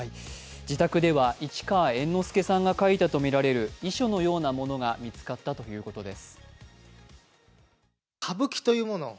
自宅では市川猿之助さんが書いたとみられる遺書のようなものが見つかったということです。